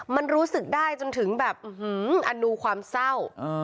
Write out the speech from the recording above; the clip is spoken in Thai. มันรู้สึกได้จนถึงแบบอื้อหืออนุความเศร้า